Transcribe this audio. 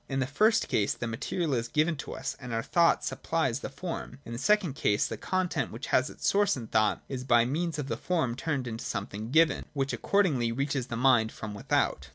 In the first case the material is given to us, and our thought supplies the form : in the second case the content which has its source in thought is by means of the form turned into a something given, which accordingly reaches the mind from without.